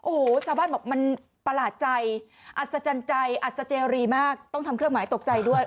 โอ้โหชาวบ้านบอกมันประหลาดใจอัศจรรย์ใจอัศเจรีมากต้องทำเครื่องหมายตกใจด้วย